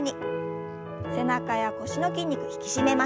背中や腰の筋肉引き締めましょう。